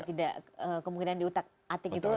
tidak kemungkinan di utak atik itu